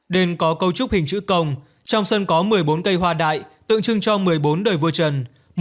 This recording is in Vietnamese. đền có cấu trúc hình chữ cồng trong sân có một mươi bốn cây hoa đại tượng trưng cho một mươi bốn đời vua trần